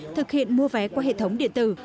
thực hiện mua vé qua hệ thống điện tử